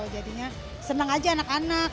jadinya senang aja anak anak